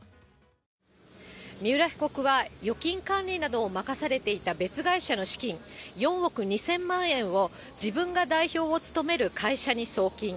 三浦被告は預金管理などを任されていた別会社の資金、４億２０００万円を、自分が代表を務める会社に送金。